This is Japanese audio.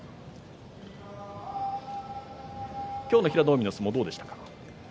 今日の平戸海の相撲どうでしたか？